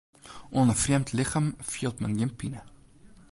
Oan in frjemd lichem fielt men gjin pine.